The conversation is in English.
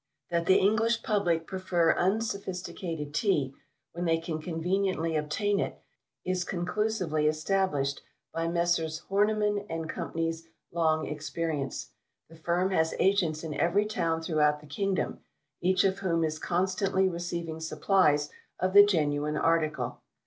That the English public prefer unsophisticated Tea, when they can conveniently obtain it, is conclusively established by Messrs. Horniman & Co.'s long experience. The Firm has Agents in every town throughout the kingdom, each of whom is constantly receiving supplies of the genuine article.